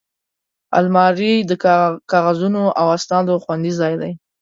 الماري د کاغذونو او اسنادو خوندي ځای دی